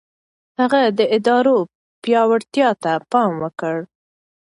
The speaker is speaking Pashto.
هغه د ادارو پياوړتيا ته پام وکړ.